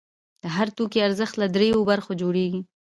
د هر توکي ارزښت له درېیو برخو جوړېږي